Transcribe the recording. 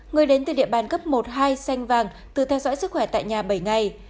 người đến từ địa bàn cấp một hai xanh vàng tự theo dõi sức khỏe tại nhà bảy ngày